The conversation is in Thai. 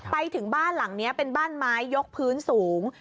ไปถึงบ้านหลังนี้เป็นบ้านไม้ยกพื้นสูง